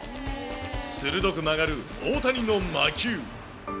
鋭く曲がる大谷の魔球。